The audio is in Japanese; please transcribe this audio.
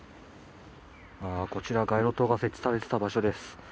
こちら、街路灯が設置されていた場所です。